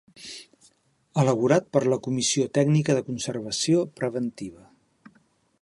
Elaborat per la Comissió Tècnica de Conservació preventiva.